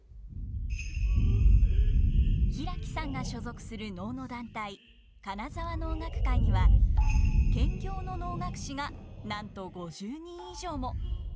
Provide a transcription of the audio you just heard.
平木さんが所属する能の団体金沢能楽会には兼業の能楽師がなんと５０人以上も。